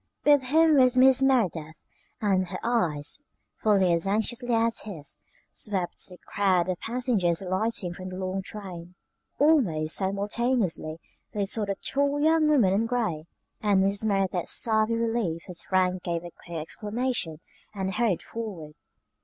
With him was Mrs. Merideth, and her eyes, fully as anxiously as his, swept the crowd of passengers alighting from the long train. Almost simultaneously they saw the tall young woman in gray; and Mrs. Merideth sighed with relief as Frank gave a quick exclamation and hurried forward.